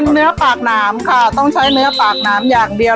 เนื้อปากหนามค่ะต้องใช้เนื้อปากน้ำอย่างเดียว